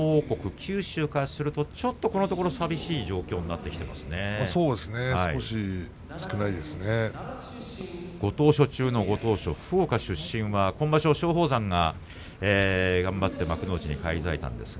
九州からするとちょっとこのところそうですねご当所中のご当所福岡出身の松鳳山頑張って幕内に返り咲きました。